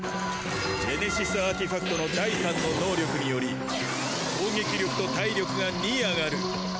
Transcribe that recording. ジェネシスアーティファクトの第３の能力により攻撃力と体力が２上がる。